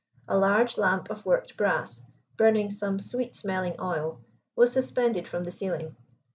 A large lamp of worked brass, burning some sweet smelling oil, was suspended from the ceiling.